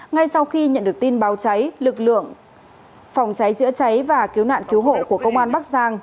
ngay sau khi nhận được tin báo cháy lực lượng phòng cháy chữa cháy và cứu nạn cứu hộ của công an bắc giang